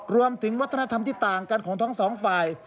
รวมถึงวัฒนธรรมที่ต่างกันของทั้งสองฝ่าย